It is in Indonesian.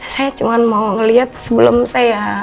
saya cuma mau ngeliat sebelum saya